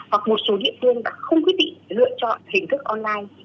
hoặc một số địa phương đã không quyết định lựa chọn hình thức online